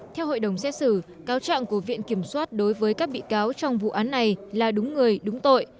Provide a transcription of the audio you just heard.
theo hội đồng xét xử cáo trạng của viện kiểm soát đối với các bị cáo trong vụ án này là đúng người đúng tội